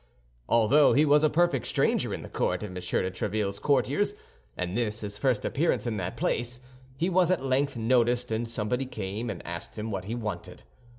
Although he was a perfect stranger in the court of M. de Tréville's courtiers, and this his first appearance in that place, he was at length noticed, and somebody came and asked him what he wanted.